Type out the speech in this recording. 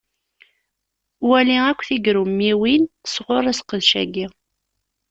Wali akk tigrummiwin sɣuṛ aseqdac-agi.